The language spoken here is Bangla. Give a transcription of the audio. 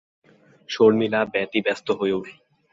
শর্মিলা ব্যতিব্যস্ত হয়ে উঠল।